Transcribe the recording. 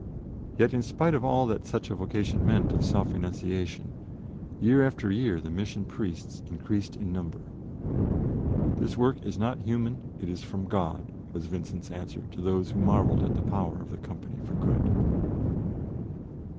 Yet, in spite of all that such a vocation meant of self renunciation, year after year the Mission Priests increased in number. "This work is not human, it is from God," was Vincent's answer to those who marvelled at the power of the company for good.